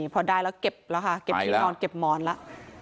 พอได้แล้วเก็บแล้วค่ะเก็บที่นอนเก็บหมอนแล้ว